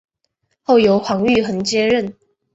后由黄玉衡接任。